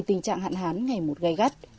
tình trạng hạn hán ngày một gây gắt